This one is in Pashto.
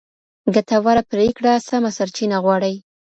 ګټوره پرېکړه سمه سرچینه غواړي.